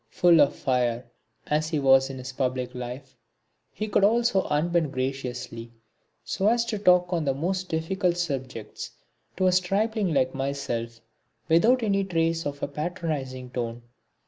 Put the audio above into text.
Full of fire as he was in his public life, he could also unbend graciously so as to talk on the most difficult subjects to a stripling like myself without any trace of a patronising tone.